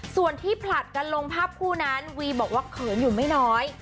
ส่วนที่ผลัดกันลงภาพคู่นั้นวีบอกว่าเขินอยู่ไม่น้อย